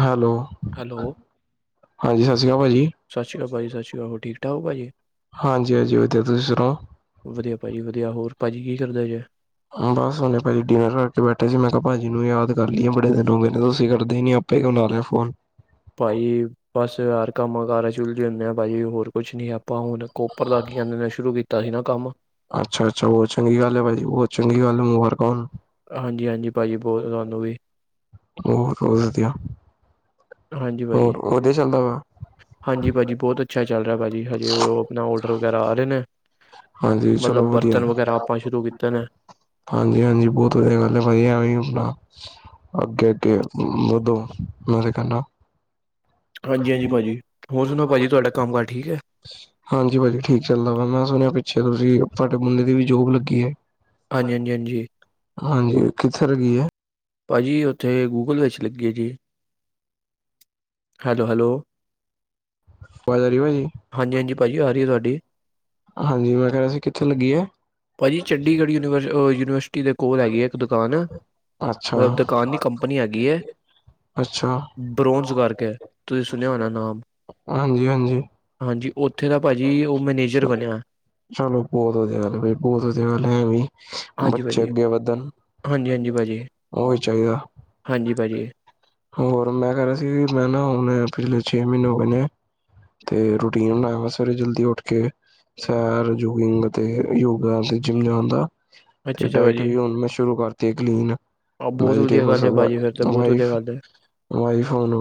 Hello hello ਹਾਂ ਸਤਿ ਸ਼੍ਰ ਅਕਾਲ ਭਾਜੀ ਸਤਿ ਸ੍ਰੀ ਅਕਾਲ ਭਾ ਜੀ ਸਤਿ ਸ਼੍ਰੀ ਅਕਾਲ ਠੀਕ ਠਕ ਹਾਂਜੀ ਹਾਂਜੀ ਵਧੀਆ ਤੁਸੀਂ ਸੁਣਾਓ ਵਧੀਆ ਭਾਜੀ ਵਧੀਆ ਹੋਰ ਭਾਜੀ ਕੀ ਕਰਦਾ ਜੇ ਬਸ ਹੇ ਭਾਜੀ ਡਿਨਰ ਕਰਕੇ ਬੈਠੇ ਸੀ ਮੈਂ ਕਿਹਾ ਭਾਜੀ ਨੂੰ ਯਾਦ ਕਰ ਲਈਏ ਬੜੇ ਦਿਨ ਹੋ ਗਏ ਨੇ ਤੁਸੀਂ ਕਰਦੇ ਹੀ ਨੀ ਆਪ ਪੇ ਕਣਾ ਫੋਨ ਭਾਜੀ, ਬਸ ਹਰ ਕੰਮ ਕਾਰ ਉਲਝੇ ਹੁੰਦੇ ਆ ਭਾਜੀ ਹੋਰ ਕੁਛ ਨੀ ਆਪਾਂ ਹੁਣ ਕੋਪਰ ਦਾਗੀਆਂ ਨੇ ਸ਼ੁਰੂ ਕੀਤਾ ਸੀ ਨਾ ਕੰਮ ਅੱਛਾ ਅੱਛਾ ਉਹ ਚੰਗੀ ਗੱਲ ਹੈ ਭਾਈ, ਉਹ ਚੰਗੀ ਗੱਲ ਹੈ ਮੁਬਾਰਕਾਂ ਹੋਣ ਹਾਂਜੀ ਹਾਂਜੀ ਭਾਜੀ ਬਹੁਤ ਤੁਹਾਨੂੰ ਵੀ ਹੋ ਹੋ ਵਧੀਆ, ਹਾਂਜੀ ਹੋਰ ਭਾਜੀ ਉਹਧਾ ਚੱਲਦਾ ਵਾ ਹਾਂਜੀ ਭਾਅ ਜੀ ਬਹੁਤ ਅੱਛਾ ਚੱਲ ਰਿਹਾ ਭਾਅ ਜੀ ਹਜੇ ਉਹ ਆਪਣਾ ਔਡਰ ਵਗੈਰਾ ਆ ਰਹੇ ਨੇ ਹਾਂਜੀ ਚਲੋ ਮਤਲਬ ਵਧੀਆ ਬਰਤਨ ਵਗੈਰਾ ਆਪਾਂ ਸ਼ੁਰੂ ਕੀਤੇ ਨੇ ਹਾਂਜੀ ਹਾਂਜੀ ਬਹੁਤ ਵਧੀਆ ਗੱਲ ਹੈ ਭਾਈ ਐਵੇ ਆਪਣਾ, ਅੱਗੇ ਅੱਗੇ ਵਧੋ ਮੈਂਰੇਖਦਾ ਹਾਂਜੀ ਹਾਂਜੀ ਭਾਜੀ ਹੋਰ ਸੁਣੋ ਭਾਜੀ ਤੁਹਾਡਾ ਕੰਮ ਕਾਰਜ ਠੀਕ ਹੈ ਹਾਂਜੀ ਭਾਜੀ ਠੀਕ ਚੱਲਦਾ ਵਾ ਮੈਂ ਸੁਣਿਆ ਪਿੱਛੇ ਤੁਸੀਂ ਤੁਹਾਡੇ ਮੁੰਡੇ ਦੀ ਵੀ ਜੋਬ ਲੱਗੀ ਹੈ ਹਾਂਜੀ ਹਾਂਜੀ ਹਾਂਜੀ ਹਾਂਜੀ ਕਿੱਥੇ ਰੈਗੀ ਹੈ ਭਾਅ ਜੀ ਉੱਥੇ ਗੂਗਲ ਵਿੱਚ ਲੱਗੀ ਹੈ ਜੀ ਹੈਲੋ ਹੈਲੋ ਬਜ਼ਾਰੀਵਾ ਜੀ ਹਾਂਜੀ ਹਾਂਜੀ ਭਾਅ ਜੀ ਆ ਰਹੀ ਹੈ ਤੁਹਾਡੀ ਹਾਂਜੀ ਮੈਂ ਕਹਿ ਰਿਹਾ ਸੀ ਕਿੱਥੇ ਲੱਗੀ ਹੈ ਭਾਅਜੀ ਚੰਡੀਗੜ੍ਹ ਯੂਨੀ ਯੂਨੀਵਰਸਿਟੀ ਦੇ ਕੋਲ ਹੈਗੀ ਆ ਇੱਕ ਦੁਕਾਨ ਅੱਛਾ ਮਤਲਬ ਦੁਕਾਨੀ ਕੰਪਨੀ ਐਗੀ ਹੈ ਅੱਛਾ ਬਰੋਂਸ ਕਰਕੇ ਹੈ, ਤੁਸੀਂ ਸੁਣਿਆ ਹੋਨਾ ਨਾਮ ਹਾਂਜੀ ਹਾਂਜੀ ਹਾਂਜੀ ਉੱਥੇ ਦਾ ਭਾਜੀ ਉਹ ਮੈਨੇਜਰ ਚ- ਬਣਿਆ ਚਲੋ ਬਹੁਤ ਧਿਆਲ -ਬਹੁਤ ਧਿਆਲ ਹੈ ਵੀ ਹਾਂਜੀ ਬੱਚੇ ਭਾਜੀ ਅੱਗੇ ਵਧਣ, ਹਾਂਜੀ ਹਾਂਜੀ ਭਾਜੀ ਉਹੀ ਚਾਹੀਦਾ। ਹਾਂਜੀ ਭਾਜੀ ਹੋਰ ਮੈਂ ਕਹਿ ਰਿਹਾ ਸੀ, ਮੈਂ ਨਾ ਹੁਣ ਪਿਛਲੇ ਛੇ ਮਹੀਨੇ ਹੋ ਗਏ ਨੇ। ਅਤੇ ਰੂਟੀਨ ਬਣਾਇਆ ਵਾ ਸਵੇਰੇ ਜਲਦੀ ਉੱਠ ਕੇ। ਸੈਰ ਯੁਗਿੰਗ ਅਤੇ ਯੋਗਾ ਅਤੇ ਜਿਮ ਜਾਣ ਦਾ। ਤੇ ਅੱਛਾ ਅੱਛਾ ਡਾਇਟ ਭਾਜੀ ਵੀ ਹੁਣ ਮੈਂ ਸ਼ੁਰੂ ਕਰਤੀ ਕਲੀਨ। ਆਹ ਬਹੁਤ ਵਧੀਆ ਵੈਜਿਟੇਬਲਸ ਗੱਲ ਹੈ ਭਾਜੀ ਫਿਰ ਤਾਂ ਬਹੁਤ ਵਧੀਆ ਵਇਫ [unintelligible] ਗੱਲ ਹੈ [unintelligible] ਮਾਈ ਫੋਨ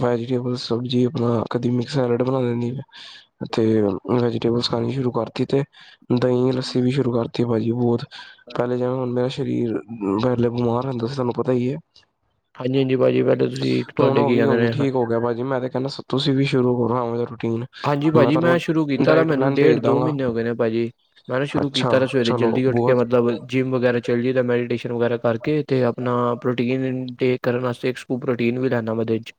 ਵੈਜੀਟੇਬਲ ਸਬਜੀ ਆਪਣਾ ਕਦੀ ਮਿਕਸ ਸੈਲਡ ਬਣਾ ਦਿੰਦੀ ਤੇ ਵੈਜੀਟੇਬਲਸ ਖਾਣੀ ਸ਼ੁਰੂ ਕਰਤੀ ਤੇ ਦਹੀਂ ਲੱਸੀ ਵੀ ਸ਼ੁਰੂ ਕਰਤੀ ਭਾ ਜੀ ਬਹੁਤ ਪਹਿਲੇ ਜਵੇਂ ਹਾਂਜੀ ਹੁਣ ਮੇਰਾ ਸਰੀਰ ਪਹਿਲੇ ਬਿਮਾਰ ਹੁੰਦੇ ਸੀ ਤੁਹਾਨੂੰ ਪਤਾ ਹੀ ਹੈ। ਹਾਂਜੀ ਭਾਜੀ ਪਹਿਲੇ ਤੁਸੀਂ ਹੁਣ ਤੁਹਾਡੇ ਉਹ ਕੀ ਵੀ ਕਹਿੰਦੇ ਹੁਣ ਨੇ ਠੀਕ ਹੋ ਗਿਆ। ਭਾਜੀ ਮੈਂ ਤੇ ਕਹਿੰਦਾ ਤੁਸੀਂ ਵੀ ਸ਼ੁਰੂ ਕਰੋ ਆਹੋ ਜਾ ਰੂਟੀਨ। ਹਾਂਜੀ ਭਾਜੀ ਮੈਂ ਤੁਹਾਨੂੰ ਸ਼ੁਰੂ ਕੀਤਾ। ਡਾਇਟ ਮੈਨੂੰ ਪਲੈਨ ਭੇਜ ਡੇਢ ਦੋ ਦਾਂਗਾ ਮਹੀਨੇ ਹੋ ਗਏ ਨੇ ਭਾਜੀ। ਮੈਂ ਨਾ ਸ਼ੁਰੂ ਅੱਛਾ ਕੀਤਾ ਨਾ ਸਵੇਰੇ ਚਲੋ ਜਲਦੀ ਉੱਠ ਕੇ। ਬਹੁਤ ਮਤਲਬ ਜਿੰਮ ਵਗੈਰਾ ਚੱਲ ਜੀਦੇ ਤਾਂ ਮੈਡੀਟੇਸ਼ਨ ਵਗੈਰਾ ਕਰਕੇ ਅਤੇ ਆਪਣਾ ਪ੍ਰੋਟੀਨ ਦੇ ਕਰਨ ਵਾਸਤੇ ਇੱਕ ਸਕੁਪ ਪ੍ਰੋਟੀਨ ਵੀ ਲੈਣਾ ਓਹਦੇ ਚ।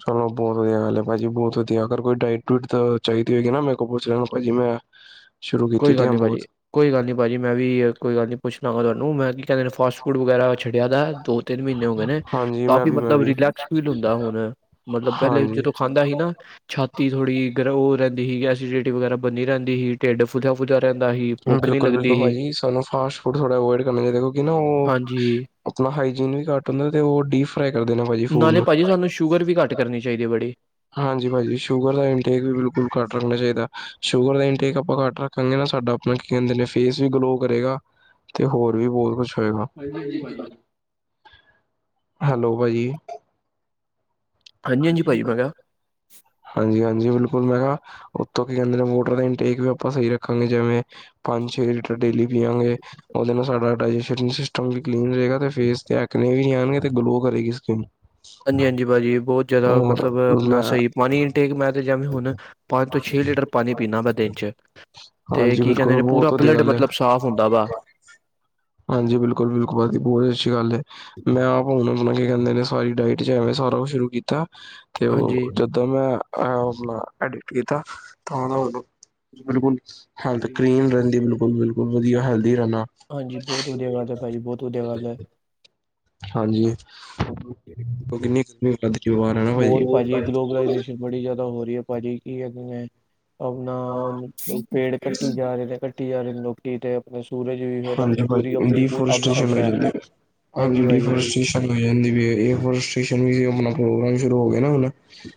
ਚਲੋ ਬਹੁਤ ਵਧੀਆ ਗੱਲ ਹੈ। ਭਾਜੀ ਬਹੁਤ ਵਧੀਆ ਅਗਰ ਕੋਈ ਡਾਈਟ ਡੂਟ ਤਾਂ ਚਾਹੀਦੀ ਹੋਏਗੀ ਨਾ ਮੇ ਕੋਲ ਪੁੱਛ ਲੈਣਾ। ਭਾਜੀ ਮੈਂ [unintelligible] ਕੋਈ ਗੱਲ ਦੀਆਂ ਨਹੀਂ ਭਾਜੀ। ਬਹੁਤ ਕੋਈ ਗੱਲ ਨਹੀਂ ਭਾਜੀ। ਮੈਂ ਵੀ ਕੋਈ ਗੱਲ ਨਹੀਂ। ਪੁੱਛ ਦੰਗਾਂ ਤੁਹਾਨੂੰ ਮੈਂ ਕੀ ਕਹਿੰਦੇ ਨੇ ਫਾਸਟ ਫੂਡ ਵਗੈਰਾ ਛਡਿਆ ਦਾ ਦੋ ਤਿੰਨ ਮਹੀਨੇ ਹੋ ਗਏ ਨੇ। ਹਾਂਜੀ ਮੈਂ ਕਾਫ਼ੀ ਵੀ ਮੈਂ ਮਤਲਬ ਵੀ ਰਿਲੈਕਸ ਫੀਲ ਹੁੰਦਾ ਹੁਣ ਮਤਲਬ ਪਹਿਲੇ ਹਾਂਜੀ ਜਦੋਂ ਖਾਂਦਾ ਸੀ ਨਾ ਛਾਤੀ ਥੋੜ੍ਹੀ ਗ ਰਹਿੰਦੀ ਸੀ ਐਸਿਡੀਟੀ ਵਗੈਰਾ ਬੰਨੀ ਰਹਿੰਦੀ ਸੀ ਢਿੱਡ ਬੁਝਾ ਬੁਝਾ ਰਹਿੰਦਾ ਹੀ। ਬਿਲਕੁਲ ਬਿਲਕੁਲ ਭਾਜੀ ਸਾਨੂੰ ਫਾਸਟ ਫੂਡ ਥੋੜ੍ਹਾ ਅਵੋਇਡ ਕਰਨਾ ਚਾਹੀਦਾ ਕਿਉਂਕਿ ਨਾ ਉਹ ਹਾਂਜੀ। ਆਪਣਾ ਹਾਈਜੀਨ ਵੀ ਘੱਟ ਹੁੰਦਾ। ਤੇ ਉਹ ਡੀਫ ਫਰਾਈ ਕਰ ਦੇ ਨਾ ਭਾਈ। ਨਾਲੇ ਪਾਜੀ ਤਾਣੁ ਸ਼ੂਗਰ ਵੀ ਘੱਟ ਕਰਨੀ ਚਾਹੀਦੀ ਹੈ ਬੜੀ ਹਾਂਜੀ ਭਾਜੀ ਸ਼ੂਗਰ ਇੰਟੇਕ ਵੀ ਬਿਲਕੁਲ ਕਟ ਰੱਖਣਾ ਚਾਹੀਦਾ। ਸ਼ੂਗਰ ਦਾ ਇਨਟੇਕ ਆਪਾਂ ਕੱਟ ਕਈ ਨਾਲ ਸਾਡਾ ਆਪਣਾ ਕੀ ਕਿੰਦੇ ਨੇ। ਫੇਸ ਵੀ ਗਲੋ ਕਰੇਗਾ। ਤੇ ਹੋਰ ਵੀ ਬਹੁਤ ਕੁਛ ਹੋਏਗਾ। ਹਾਂਜੀ-ਹਾਂਜੀ ਭਾਜੀ। ਹੈਲੋ ਭਾਜੀ। ਹਾਂਜੀ-ਹਾਂਜੀ ਹਾਂਜੀ। ਭਾਜੀ ਮੈਂ ਕਿਹਾ ਹਾਂਜੀ ਹਾਂਜੀ। ਬਿਲਕੁਲ ਮੈਂ ਕਿਹਾ ਉੱਥੋਂ ਕੀ ਕਹਿੰਦੇ ਨੇ ਵਾਟਰ ਦਾ ਇਨਟੇਕ ਵੀ ਆਪਾਂ ਸਹੀ ਰੱਖਾਂਗੇ ਜਿਵੇਂ ਪੰਜ ਛੇ ਲੀਟਰ ਡੇਲੀ ਪੀਆਂਗੇ। ਉਹਦੇ ਨਾਲ ਸਾਡਾ ਡਾਇਜੈਸ਼ਨ ਸਿਸਟਮ ਵੀ ਕਲੀਨ ਰਹੇਗਾ। ਅਤੇ ਫੇਸ ਤੇ ਐਕਣੇ ਵੀ ਜਾਣਗੇ ਅਤੇ ਗਲੋਅ ਕਰੇਗੀ ਸਕਿੰਨ। ਹਾਂਜੀ ਹਾਂਜੀ ਭਾਜੀ ਬਹੁਤ ਜ਼ਿਆਦਾ ਮਤਲਬ ਆਪਣਾ ਮੈਂ ਸਹੀ ਪਾਣੀ ਇਟੇਕ ਮੈਂ ਤੇ ਜੈਵੇ ਹੁਣ ਪੰਜ ਤੋਂ ਛੇ ਲੀਟਰ ਪਾਣੀ ਪੀਣਾ ਮੈਂ ਦਿਨ ਚ। ਤੇ ਹਾਂਜੀ ਕੀ ਕਹਿੰਦੇ ਬਿਲਕੁਲ ਨੇ ਪੂਰਾ ਬਹੁਤ ਵਧੀਆ ਬਲੱਡ ਗੱਲ ਹੈ। ਮਤਲਬ ਸਾਫ਼ ਹੁੰਦਾ ਵਾ। ਹਾਂਜੀ। ਬਿਲਕੁਲ ਬਿਲਕੁਲ ਬਹੁਤ ਅੱਛੀ ਗੱਲ ਹੈ। ਮੈਂ ਆਪ ਹੁਣ ਆਪਣਾ ਕੇ ਕਹਿੰਦੇ ਨੇ ਸਾਰੀ ਡਾਇਟ ਚ ਐਵੇਂ ਸਾਰਾ ਕੁਛ ਸ਼ੁਰੂ ਕੀਤਾ ਤੇ ਉਹ ਹਾਂਜੀ। ਜਦੋਂ ਮੈਂ ਅਪਣਾ ਐਡਿਟ ਕੀਤਾ। ਤਾਂਦਾਨੂੰ ਬਿਲਕੁਲ ਹੈਲਥ ਕਲੀਨ ਰਹਿੰਦੀ ਬਿਲਕੁਲ ਬਿਲਕੁਲ ਵਧੀਆ ਹੈਲਦੀ ਰਹਿੰਦਾ। ਹਾਂਜੀ ਬਹੁਤ ਵਧੀਆ ਗੱਲ ਹੈ। ਭਾਜੀ ਬਹੁਤ ਵਧੀਆ ਗੱਲ ਹੈ। ਹਾਂਜੀ ਉਹ ਕਿੰਨੀ ਕਮੀ ਬਿਾਰ ਹੈ। ਭਾ ਐ ਬੜੀ ਜਿਆਦਾ ਹੋ ਰਹੀ ਹੈ। ਭਾਜੀ ਐ ਅੱਗੋ ਮੈਂ ਆਪਣਾ ਪੇੜ ਕੱਟੀ ਜਾ ਰਹੇ ਨੇ। ਕੱਟੀ ਜਾ ਰਹੇ ਨੇ। ਲੋਕੀ ਤੇ ਆਪਣੇ ਸੂਰਜ ਵੀ ਫਿਰ ਆਪ ਹਾਂਜੀ ਪੂਰੀ ਪਾਜੀ ਆਪਣੀ ਪੂ ਅੱਗ ਇੰਡੇਫ਼ੀਰੇਸਟੇਸ਼ਨ ਛੱਡ ਰਿਹਾ ਸਮਝਦੇ ਨੇ ਹਾਂਜੀ ਹਾਂਜੀੋ ਭਾਜੀ ਡਿਫਾਰੈਸਟੇਸ਼ਨ [inaudible]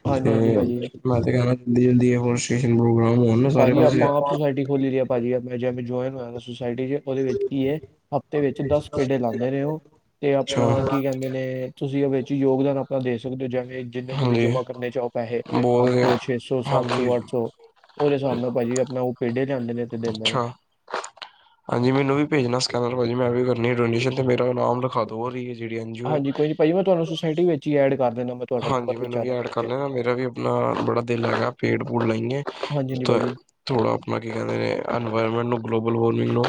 [inaudible] ਤੇ ਹਾਂਜੀ ਹਾਂਜੀ ਭਾਜੀ ਮੈਂ ਤੇ ਕਹਿਣਾ ਜਲਦੀ ਜਲਦੀ ਓ ਸਟੇਸ਼ਨ ਪ੍ਰੋਗਰਾਮ ਹੋਨ। ਭਾਜੀ ਆਪਾਂ ਆਪ ਸੋਸਾਇਟੀ ਖੋਲੀ ਸੀ ਭਾਜੀ ਅਪਣੇ ਜਿਮ ਚ ਜੋਆਇਨ ਹੋਇਆ ਸੋਸਾਇਟੀ ਵਿੱਚ ਉਹਦੇ ਵਿੱਚ ਕੀ ਹੈ ਹਫ਼ਤੇ ਵਿੱਚ ਦਸ ਪੇਡੇ ਲਾਉਂਦੇ ਨੇ ਉਹ। ਤੇ ਆਪਣਾ ਅੱਛਾ ਕੀ ਕਹਿੰਦੇ ਨੇ ਤੁਸੀਂ ਓ ਵਿੱਚ ਯੋਗਦਾਨ ਆਪਣਾ ਦੇ ਸਕਦੇ ਹੋ ਜਵੇ ਜਿੰਨੇ ਤੁਸੀਂ ਹਾਂਜੀ ਜਮਾ ਕਰਨੇ ਚਾਹੋ ਪੈਸੇ ਬਹੁਤ ਪੰਜ ਸੌ ਵਧੀਆ ਛੇ ਸੌ ਸੱਤ ਹਾਂਜੀ ਸੌ ਅੱਠ ਸੌ ਉਹਦੇ ਹਿਸਾਬ ਨਾਲ ਭਾਜੀ ਆਪਣਾ ਉਹ ਪੇਡੇ ਲਿਆਉਂਦੇ ਨੇ। ਤੇ ਦਿੰਦੇ ਨੇ ਅੱਛਾ। ਹਾਂਜੀ ਮੈਨੂੰ ਵੀ ਭੇਜਣਾ ਸਕੈਨਰ ਭਾਜੀ ਮੈਂ ਵੀ ਕਰਨੀ ਡੋਨੇਸ਼ਨ ਤੇ ਮੇਰਾ ਨਾਮ ਲੱਖਾਂ ਦੋ। ਹੋ ਰਹੀ ਏ ਜਿਹੜੀ ਨਜੀਓਂ ਏ ਹਾਂਜੀ ਕੋਈ ਨੀ ਭਾਜੀ ਮੈਂ ਤੁਹਾਨੂੰ ਸੁਸਾਇਟੀ ਵਿੱਚ ਹੀ ਐਡ ਕਰ ਦਿੰਦਾ ਮੈਂ ਤੁਹਾਡਾ ਨੰਬਰ ਹਾਂਜੀ ਮੈਨੂੰ ਪਹੁੰਚਾ ਵੀ ਐਡ ਦਾਂ ਕਰ ਲੈਣਾ ਮੇਰਾ ਵੀ ਨਾ ਬੜਾ ਦਿਲ ਹੈਗਾ ਪੇਡ ਪੂਡ ਲਾਈਏ ਹਾਂਜੀ ਹਾਂਜੀ ਭਾਜੀ ਥੋੜਾ ਆਪਣਾ ਕੀ ਐਵੇਂ ਇਨਵਾਇਰਮੈਂਟ ਨੂੰ ਗਲੋਬਲ ਵਾਰਮਿੰਗ ਨੂੰ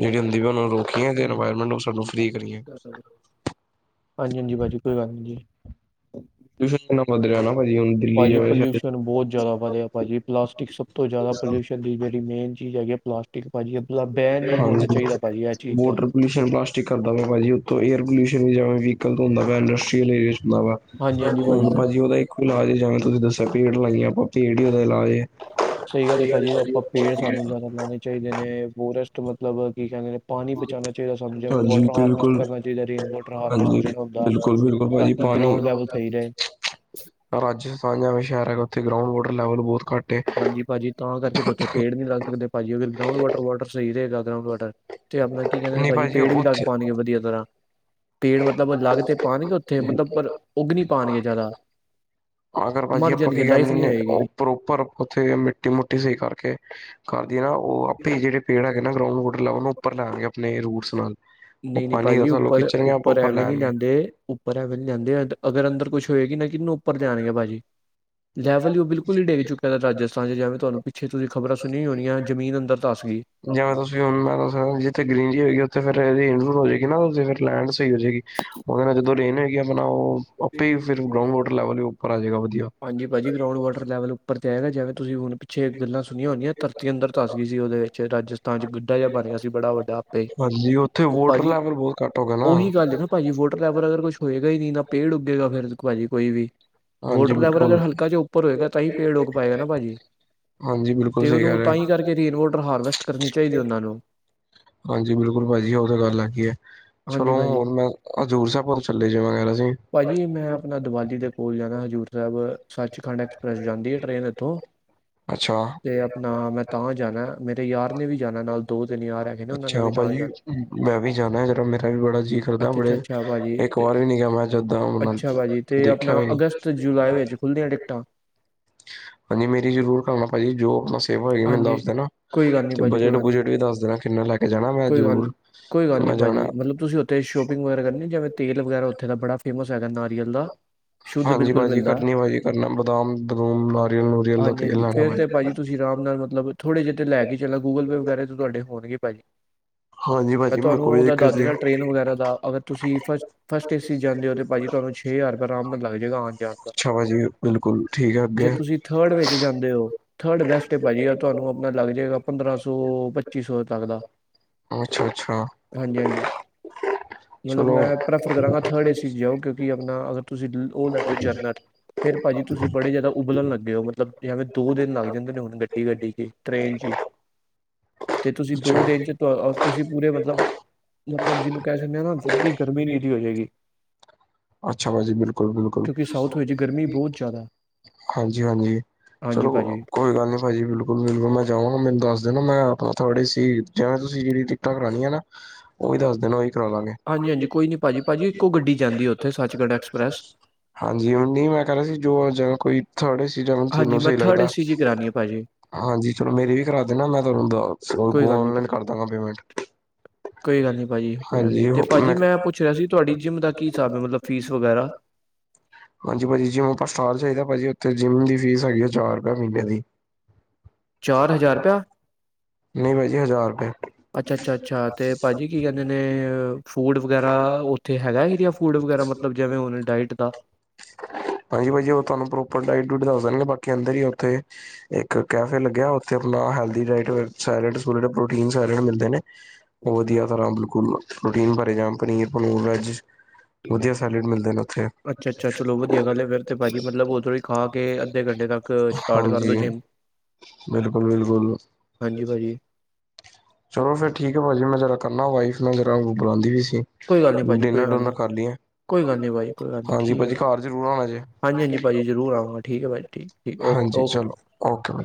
ਜਿਹੜੀ ਗੰਦਗੀ ਨੂੰ ਰੋਕੀਏ ਤੇ ਹਾਂਜੀ ਇਨਵੈਰਮਿੰਟ ਨੂੰ ਸਗੋ ਫਰੀ ਕਰੀਏ। ਹਾਂਜੀ ਹਾਂਜੀ ਭਾਜੀ ਕੋਈ ਗੱਲ ਨਹੀਂ। ਦੂਸਰੇ ਦਿਨਾਂ ਮੱ ਆ ਨਾ ਭਾਜੀ ਹੁਣ ਦਿੱਲੀ ਭਾਜੀ ਜਾਵੇ ਪੋਲਿਊਸ਼ਨ ਬਹੁਤ ਜ਼ਿਆਦਾ ਵਧਿਆ ਭਾਜੀ। ਪਲਾਸਟਿਕ ਸਭ ਤੋਂ ਜ਼ਿਆਦਾ ਪੋਲਊਸ਼ਨ ਦੀ ਜਿਹੜੀੇ ਮੈਨ ਚੀਜ਼ ਹੈਗੀ ਹੈ ਪਲਾਸਟਿਕ ਭਾਜੀ ਐਥੋਂ ਤੱਕ ਹਾਂਜੀ ਬੋਟਰ। ਪੋਲਊਸ਼ਨ ਪਲਾਸਟਿਕ ਕਰਦਾ ਵਾ ਭਾਜੀ ਉੱਥ ਏਅਰ ਪੋਲਊਸ਼ਨ ਵੀ ਜੈਵੇ ਵਹਿਕਲ ਤੋਂ ਹੁੰਦਾ ਵਾ ਇੰਡਸਟਰੀਅਲ ਏਰੀਏ ਚ ਹੁੰਦਾ ਵਾ। ਹਾਂਜੀ ਹਾਂਜੀ ਹੁਣ ਭਾਜੀ ਉਹਦਾ ਇੱਕੋ ਇਲਾਜ ਏ ਜਿਵੇਂ ਤੁਸੀਂ ਦੱਸਿਆ ਪੇਡ ਲਾਈਆਂ ਆਪਾਂ ਪੇਡ ਹੀ ਉਹਦਾ ਇਲਾਜ ਏ। ਸਹੀ ਗੱਲ ਹੈ ਭਾਜੀ ਆਪਾਂ ਪੇਡ ਸਾਨੂੰ ਜ਼ਿਆਦਾ ਲਾਉਣੇ ਚਾਹੀਦੇ ਨੇ ਫੋਰੈਸਟ ਮਤਲਬ ਕੀ ਕਹਿੰਦੇ ਨੇ ਪਾਣੀ ਬਚਾਉਣਾ ਚਾਹੀਦਾ ਸਾਨੂੰ ਜਿਵੇਂ ਹਾਂਜੀ ਵਾਟਰ ਹਾਰਵੈਸਟ ਬਿਲਕੁਲ ਕਰਨਾ ਚਾਹੀਦਾ ਰੇਨ ਵਾਟਰ ਹਾਰਵੈਸਟ ਹਾਂਜੀ ਜਿਹੜਾ ਹੁੰਦਾ। ਬਿਲਕੁਲ ਬਿਲਕੁਲ ਭਾਜੀ ਗ੍ਰਾਉੰਡ ਲੈਵਲ ਪਾਣੀ ਸਈ ਰਹੇ। ਰਾਜਸਥਾਨ ਜਿਵੇਂ ਸ਼ਹਿਰ ਹੈਗਾ ਉੱਥੇ ਗ੍ਰਾਉੰਡ ਵਾਟਰ ਲੈਵਲ ਬਹੁਤ ਘੱਟਏ। ਹਾਂਜੀ ਭਾਜੀ। ਤਾਂ ਕਰਕੇ ਤੇ ਓਥੇ ਪੇੜ ਨੀ ਲੱਗ ਸਕਦੇ ਭਾਜੀ ਅਗਰ ਗ੍ਰਾਉੰਡ ਵਾਟਰ ਵਾਟਰ ਸਹੀ ਰਹੇਗਾ ਗ੍ਰਾਉੰਡ ਵਾਟਰ। ਤੁਹਾਨੇ ਕੀ ਕਹਦੇ ਨੇ ਨਹੀਂ ਭਾਜੀ। ਪੇੜ ਵੀ ਲੱਗ ਉੱਥੇ ਪਾੜਗੇ ਵਧੀਆ ਤਰ੍ਹਾਂ। ਪੇੜ ਮਤਲਬ ਅਲੱਗ ਤੇ ਪਾਉਣਗੇ ਉੱਥੇ। ਮਤਲਬ ਪਰ ਉੱਗ ਨਹੀਂ ਪਾਉਣਗੇ ਜ਼ਿਆਦਾ। ਹਾ। ਆਗਰ ਭਾਜੀ ਮਰ ਆਪਾਂ ਜਾਣਗੇ ਕੀ ਲਾਈਫ ਕਹਿ ਨਹੀਂ ਨੇ, ਓ ਹੋਏਗੀ ਪ੍ਰੋਪਰ ਉੱਥੇ ਮਿੱਟੀ ਮੋਟੀ ਸਹੀ ਕਰਕੇ, ਕਰਦੀ ਹੈ ਨਾ ਉਹ ਤੇ ਜਿਹੜੇ ਪੇੜ ਹੈਗੇ ਨਾ। ਫੇਰ ਵੁਡ ਲਾਓ ਉਹਨੂੰ ਉੱਪਰ ਲਾਓ ਆਪਣੇ ਰੂਟਸ ਨਾਲ। ਉਹ ਨਹੀਂ-ਨਹੀਂ ਪਾਣੀ ਭਾਜੀ ਥੱਲੋਂ ਖਿੱਚਣਗੇ ਆਪਾਂ ਉੱਪਰ-ਉੱਪਰ ਉੱਪਰ ਐਵੇਂ ਨਹੀਂ ਲੈਣਗੇ ਲਿਆਂਦੇ ਉੱਪਰ ਵੇਲ ਜਾਂਦੇ, ਅਗਰ ਅੰਦਰ ਕੁੱਛ ਹੋਏਗੀ ਨਾ ਕਿਨਾ ਉੱਪਰ ਤਦ ਜਾਣਗੇ ਭਾਜੀ। ਲੈਵਲ ਹੀ ਉਹ ਬਿਲਕੁਲ ਹੀ ਡਿੱਗ ਚੁੱਕਾ ਹੈ ਰਾਜਸਥਾਨ ਚ, ਜਾਓ ਤੁਹਾਨੂੰ ਪਿੱਛੇ ਤੁਸੀਂ ਖ਼ਬਰ ਸੁਣੀਆਂ ਹੋਣੀਆਂ ਜ਼ਮੀਨ ਅੰਦਰ ਧਸ ਗਈ। ਜਾਂ ਤੁਸੀਂ ਹੁਣ ਮੈਂ ਜਿੱਥੇ ਗਰੀਨਰੀ ਹੋਏਗੀ। ਉੱਥੇ ਫੇਰ ਇਹ ਨੂੰ ਹੋ ਜਾਏਗੀ ਨਾ। ਫਿਰ ਲੈਂਡ ਸਹੀ ਹੋ ਜੇਗੀ। ਉਹਦੇ ਨਾਲ ਜਦੋਂ ਰੈਨ ਏਰੀਆ ਹੋਦ ਨਾ। ਆਪਣਾ ਉਹ ਆਪੇ ਹੀ ਫਿਰ ਗਈ ਗਰਾਂਡ ਵਾਟਰ ਲੈਵਲ ਉੱਪਰ ਆ ਜਾਏਗਾ ਵਧੀਆ। ਹਾਂਜੀ ਭਾਜੀ। ਗਰਾਊਂਡ ਵਾਟਰ ਲੈਵਲ ਉਪਰ ਕਹਿ ਰਿਹਾਂ ਜਾਵੇ, ਤੁਸੀਂ ਹੁਣ ਪਿੱਛੇ ਗੱਲਾਂ ਸੁਣੀਆਂ ਹੋਣੀਆ, ਧਰਤੀ ਅੰਦਰ ਧਸ ਗਈ ਸੀ। ਉਹਦੇ ਵਿੱਚ ਰਾਜਸਥਾਨ ਚ ਗੱ ਖੱਡਾ ਜਿਹਾ ਬਣ ਗਿਆ ਸੀ ਬੜਾ ਵੱਡਾ ਆਪੇ, ਹਾਂਜੀ ਉੱਥੇ ਉਹ ਵੋਟਰ ਭਾਜੀ, ਲੈਵਲ ਬਹੁਤ ਘੱਟ ਹੋ ਗਿਆ ਨਾ। ਉਹੀ ਗੱਲ ਨਾ ਭਾਜੀ ਫੇਰ ਵਾਟਰ ਲੈਵਰ ਅਗਰ ਕੁਛ ਹੋਏਗਾ ਹੀ ਨਹੀਂ ਨਾ। ਪੇੜ ਉੱਗੇਗਾ ਨਾ ਖੁਆਰੀ ਹੋਏਗੀ। ਫਿਰ ਭਾਜੀ ਕੋਈ ਵੀ ਹਾਂਜੀ ਵੋਟਰ ਲੈਵਰ ਬਿਲਕੁਲ। ਅਗਰ ਹਲਕਾ ਜਿਹਾ ਉ ਉੱਪਰ ਹੋਏਗਾ ਤਾਂ ਹੀ ਪੇੜ ਉੱਗ ਪਾਏਗਾ ਨਾ ਭਾਜੀ। ਹਾਂਜੀ ਬਿਲਕੁਲ ਤੇ ਸਹੀ ਕਹਿ ਉਹਨੂੰ ਰਹੇ ਤਾਂ ਹੀ ਕਰਕੇ ਰੇਨ ਹੋ। ਵੋਟਰ ਹਾਰਵੈਸਟ ਕਰਨੀ ਚਾਹੀਦੀ ਹੈ ਉਹਨਾਂ ਨੂੰ। ਹਾਂਜੀ। ਬਿਲਕੁਲ ਭਾਜੀ, ਉਹ ਤਾਂ ਗੱਲ ਹੈਗੀ ਹੈ। ਹਾਂਜੀ ਚਲੋ ਭਾਜੀ ਹੋਰ ਮੈਂ ਹਜ਼ੂਰ ਸਾਹਿਬ ਚਲੇ ਜਾਣਾ ਸੀ। ਭਾਜੀ ਮੈਂ ਆਪਣਾ ਦੀਵਾਲੀ ਦੇ ਓ ਜਾਣਾ ਹਜ਼ੂਰ ਸਾਹਿਬ। ਸੱਚਖੰਡ ਐਕਸਪ੍ਰੈਸ ਜਾਂਦੀ ਆ ਟ੍ਰੇਨ ਇੱਥੋਂ, ਅੱਛਾ ਤੇ ਨਾ ਮੈਂ ਤਾਂ ਜਾਣਾ। ਮੇਰੇ ਯਾਰ ਨੇ ਵੀ ਜਾਣੇ ਨਾਲ ਦੋ- ਤਿੰਨ ਯਾਰ ਹੈ। ਅੱਛਾ ਭਾਜੀ। ਮੈਂ ਵੀ ਜਾਣਾ, ਜਰਾ ਮੇਰਾ ਵੀ ਬੜਾ ਜੀ ਕਰਦਾ ਬ ਅੱਛਾ-ਅੱਛਾ-ਅੱਛਾ ਭਾਜੀ ਇੱਕ ਤੇ ਵਾਰ ਵੀ ਨੀ ਗਿਆ। ਮੈਂ ਜਿੱਦਾ ਹੁਣ ਮੈਂ ਅੱਛਾ ਦੇਖਿਆ ਵੀ ਨੀ ਖੁੱਲ ਗਿਆ ਟਿਕਟਾਂ। ਹਾਂਜੀ। ਮੇਰੀ ਜ਼ਰੂਰ ਕਰਨਾ ਭਾਜੀ। ਜੋ ਆਪਣਾ ਸੇਵਾਂ ਹੋਏਗੀ ਮੈਨੂੰ ਹਾਂਜੀ, ਦੱਸਦੇ ਦੇਣਾ। ਕੋਈ ਗੱਲ ਨੀ ਤੇ ਭਾਜੀ, ਕੋਈ ਬਜਟ ਗੱਲ ਨੀ, -ਬੁਜਟ ਵੀ ਦੱਸ ਦੇਣਾ ਕਿੰਨਾ ਲੈ ਕੇ ਜਾਣਾ। ਮੈਂ ਕੋਈ ਜ਼ਰੂਰ ਮੈਂ ਜਾਣਾ। ਤੇ ਸ਼ੋਪਿੰਗ ਵਗੈਰਾ ਕਰਨੀ, ਜਿਵੇਂ -ਤੇਲ ਵਗੈਰਾ ਉੱਥੇ ਦਾ ਬੜਾ ਫੇਮਸ ਹੈਗਾ ਨਾਰੀਅਲ ਦਾ। ਸ਼ੁੱਧ ਹਾਂਜੀ। ਬਿਲਕੁਲ ਭਾਜੀ ਮਿਲਦਾ। ਕਰਨੀ ਆ ਭਾਜੀ ਕਰਨੀ, ਬਦਾਮ- ਬਦੁਮ ਨਾਰੀਅਲ-ਨੁਰੀਅਲ ਦਾ ਤੇਲ ਹਾਂਜੀ-ਹਾਂਜੀ ਲੈਣਾ ਫੇਰ ਤੇ ਭਾਜੀ। ਤੁਸੀਂ ਆਰਾਮ ਨਾਲ ਮਤਲਬ, ਥੋੜੇ ਜਿਹੇ ਤੇ ਲੈ ਕੇ ਚੱਲੋ ਗੂਗਲ ਪੇ ਵਗੈਰਾ ਤੁਹਾਡੇ ਹੋਣਗੇ ਭਾਜੀ। ਹਾਂਜੀ ਮੈਂ ਭਾਜੀ ਕੋਈ ਤੁਹਾਨੂੰ ਦਾ ਦੱਸ ਦਿੱਕਤ ਨੀ। ਦੇਣਾ ਟ੍ਰੇਨ ਵਗੈਰਾ ਦਾ। ਅਗਰ ਤੁਸੀਂ ਫਸ -ਫਸਟ ਏਸੀ ਇਹਦੇ ਤੇ ਭਾਜੀ ਤੁਹਾਨੂੰ ਛੇ ਹਜ਼ਾਰ ਰੁਪਇਆ ਆਰਾਮ ਨਾਲ ਲੱਗ ਜਾਏਗਾ। ਆਣ -ਜਾਣ ਦਾ ਅੱਛਾ ਭਾਜੀ ਬਿਲਕੁਲ ਠੀਕ ਹੈ ਜੇ ਅੱਗੇ। ਤੁਸੀਂ ਦੇ ਥਰਡ ਏਸੀ ਵਿੱਚ ਜਾਂਦੇ ਹੋ ਥਰਡ ਬੈਸਟ ਭਾਜੀ। ਆ ਤੁਹਾਨੂੰ ਆਪਣਾ ਲੱਗ ਜਾਏਗਾ ਪੰਦਰਾਂ ਸੌ, ਪੱਚੀ ਸੌ ਤੱਕ ਦਾ। ਅੱਛਾ ਅੱਛਾ ਹਾਂਜੀ -ਹਾਜੀ ਮਤਲਬ ਚਲੋ। ਮੈਂ ਪ੍ਰੈਫਰ ਕਰਾਂਗਾ। ਫੇਰ ਏ ਸੀ ਜਾਓ। ਕਿਉਂਕਿ ਆਪਣਾ ਅਗਰ ਤੁਸੀਂ ਉਹ ਲੈ ਕੇ ਜਰਨਲ, ਫ਼ਿਰ ਭਾਜੀ ਤੁਸੀਂ ਬੜੇ ਜ਼ਿਆਦਾ ਉਬਲਣ ਲੱਗੇ ਹੋ, ਮਤਲਬ ਜਿਵੇਂ ਦੋ -ਦਿਨ ਲੱਗ ਜਾਂਦੇ ਨੇ, ਹੁਣ ਗੱਡੀ- ਗੱਡੀ ਚ ਟ੍ਰਰੇਨ ਚ ਹੀ। ਤੇ ਤੁਸੀਂ ਦੋ ਅੱਛਾ। ਦਿਨ ਚ ਤੁਸੀਂ ਪੂਰੇ ਮਤਲਬ। ਮਤਲਬ ਜਿਹਨੂੰ ਕਹਿ ਦਿੰਦੇ ਹਾਂ ਨਾ। ਗਰਮੀ-ਗਰਮੀ ‌ਦੀ ਹੋ ਜਾਏਗੀ। ਅੱਛਾ ਭਾਜੀ ਬਿਲਕੁਲ -ਬਿਲਕੁਲ। ਕਿਉਂਕਿ ਸਾਊਥ ਵਿੱਚ ਗਰਮੀ ਬਹੁਤ ਜ਼ਿਆਦਾ ਹਾਂਜੀ -ਹਾਂਜੀ ਹਾਂਜੀ ਚਲੋ ਭਾਜੀ ਕੋਈ ਗੱਲ ਨਹੀਂ ਭਾਜੀ ਬਿਲਕੁਲ। ਬਿਲਕੁਲ -ਬਿਲਕੁਲ ਮੈਂ ਜਾਵਾਂਗਾ ਮਨੂੰ ਦੱਸ ਦੇ ਨਾ। ਮੈਂ ਆਪਣਾ ਤੁਹਾਡੀ ਸੀ। ਜਿਵੇਂ ਤੁਸੀਂ ਜਿਹੜੀ ਟਿਕਟਾਂ ਕਰਾਉਣੀ ਹੈ ਨਾ। ਉਹ ਵੀ ਦੱਸਦੇ ਨੇ ਭਾ ਹਾਂਜੀ -ਹਾਂਜੀ ਕੋਈ ਨਹੀਂ ਭਾਜੀ। ਭਾਜੀ ਇੱਕੋ ਗੱਡੀ ਜਾਂਦੀ ਉੱਥੇ ਸੱਚਗੰਡ ਐਕਸਪ੍ਰੈਸ। ਹਾਂਜੀ। ਹ ਨਹੀਂ ਮੈਂ ਕਹਿ ਰਿਹਾ ਸੀ। ਜੋ ਕੋਈ ਥਰਡ-ਏ-ਸੀ ਜਾਣਾ। ਹਾਂਜੀ ਤੁਨੂੰ ਮੈਂ ਸਹੀ ਥਰਡ ਲੱਗਦਾ। ਏਸੀ ਜੀ ਕਰਾਣੀ ਹੈ ਭਾਜੀ ਹਾਂਜੀ। ਚਲੋ ਮੇਰੀ ਵੀ ਕਰਾ ਦੇਣਾ ਮੈਂ ਤੁਹਾਨੂੰ ਕੋਈ ਗੱਲ ਨੀ ਆਨਲਾਈਨ ਕਰ ਦਾਂਗਾ ਪੇਮੈਂਟ। ਕੋਈ ਗੱਲ ਨਹੀਂ ਭਾਜੀ। ਭਾਜੀ ਮੈਂ ਪੁੱਛ ਰਿਹਾ ਸੀ ਤੁਹਾਡੀ ਜਿੰਮ ਦਾ ਕੀ ਹਿਸਾਬ ਹੈ, ਮਤਲਬ ਫੀਸ ਵਗੈਰਾ। ਹਾਂਜੀ ਭਾਜੀ ਜਿੰਮ ਆਪਾਂ ਸਾਲ ਚਾਹੀਦਾ। ਭਾਜੀ ਉੱਥੇ ਜਿੰਮ ਦੀ ਫੀਸ ਹੈਗੀ ਆ ਹਜ਼ਾਰ ਰੁਪਏ ਮਹੀਨੇ ਦੀ। [inaudible] ਚਾਰ ਹਜ਼ਾਰ ਰੁਪਇਆ? ਨਹੀਂ ਭਾਜੀ ਜੀ ਹਜ਼ਾਰ ਰੁਪਏ। ਅੱਛਾ ਅੱਛਾ ਅੱਛਾ ਤੇ ਭਾਜੀ ਕੀ ਕਹਿੰਦੇ ਨੇ ਫੂਡ ਵਗੈਰਾ ਉੱਥੇ ਹੈਗਾ ਏ ਰੀਆ ਫੂਡ ਵਗੈਰਾ ਮਤਲਬ। ਜਿਵੇਂ ਹੁਣ ਡਾਇਟ ਦਾ। ਹਾਂਜੀ ਭਾਜੀ ਉਹ ਤੁਹਾਨੂੰ ਪ੍ਰੋਪਰ ਡਾਇਟ ਡੁਟ ਦੱਸ ਰੇ ਨੇ ਬਾਕੀ ਅੰਦਰ ਹੀ ਉੱਥੇ ਇੱਕ ਕੈਫੇ ਲੱਗਿਆ। ਅਪਣਾ healthy diet salad suit protein salad ਮਿਲਦੇ ਨੇ। ਵਧੀਆ ਤਰ੍ਹਾਂ ਬਿਲਕੁਲ ਪ੍ਰੋਟੀਨ ਭਰੇ ਜਅ ਪਨੀਰ ਵੇਜ। ਵਧੀਆ ਸੈਲਡ ਮਿਲਦੇ ਨੇ ਇਥੇ। ਅੱਛਾ- ਅੱਛਾ ਚਲੋ ਵਧੀਆ ਗੱਲ ਹੈ ਫਿਰ ਤਾਂ ਭਾਜੀ ਮਤਲਬ ਹੁਣ ਤੁਸੀਂ ਖਾ ਕੇ ਅੱਧੇ ਘੰਟੇ ਤੱਕ ਸਟਾਰਟ ਕਰ ਦਿਉ ਹਾਂਜੀ ਜਿੰਮ। ਬਿਲਕੁਲ -ਬਿਲਕੁਲ। ਹੰਜੀ ਭਾਜੀ। ਚਲੋ ਫਿਰ ਏ ਠੀਕ ਭਾਜੀ ਮੈਂ ਜਰਾ ਕਰਨਾ ਵਾਈਫ ਮੈਂ ਜਰਾ ਬੁਲਾਉਂਦੀ ਵੀ ਸੀ। ਕੋਈ ਗੱਲ ਨਹੀਂ ਭਾਜੀ ਕੋਈ ਡਿਨਰ ਗੱਲ ਡੁਨਰ ਨਹੀਂ। ਕਰ ਲਈਏ ਕੋਈ ਗੱਲ- ਕੋਈ ਗੱਲ ਨਹੀਂ ਹਾਂਜੀ ਠੀਕ ਹੈ ਭਾਜੀ ਘਰ ਜ਼ਰੂਰ ਆਉਣਾ ਜੇ ਹਾਂਜੀ- ਹਾਂਜੀ ਭਾਜੀ ਜ਼ਰੂਰ ਆਉਂਗਾ ਠੀਕ ਹੈ ਭਾਜੀ। ਠੀਕ ਠੀਕ ਓਕੇ ਹਾਂਜੀ ਓਕੇ ਚਲੋ ਓਕੇ।